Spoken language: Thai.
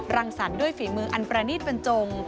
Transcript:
รังสรรค์ด้วยฝีมืออันประณีตบรรจง